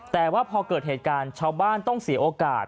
แต่ว่าพอเกิดเหตุการณ์ชาวบ้านต้องเสียโอกาส